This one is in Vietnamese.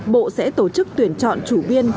bộ sẽ tổ chức tuyển chọn chủ biên